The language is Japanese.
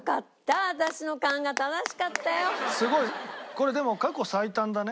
これでも過去最短だね。